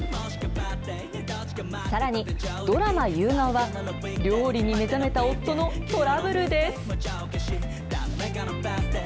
さらに、ドラマ夕顔は、料理に目覚めた夫のトラブルです。